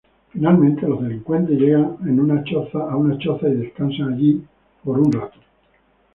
Finalmente los delincuentes llegan en una choza y descansan allí por el momento.